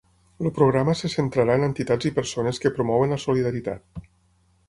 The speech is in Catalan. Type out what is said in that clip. El programa se centrarà en entitats i persones que promouen la solidaritat.